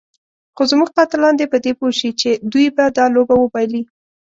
خو زموږ قاتلان دې په دې پوه شي چې دوی به دا لوبه وبایلي.